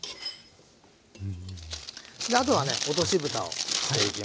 であとはね落としぶたをしていきます。